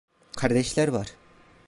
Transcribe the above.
Kardeşler var…